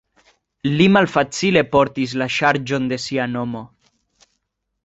Li malfacile portis la ŝarĝon de sia nomo.